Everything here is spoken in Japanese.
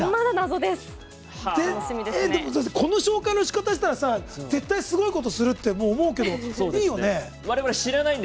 この紹介のしかたしたら絶対すごいことするってもう思うけどいいよね？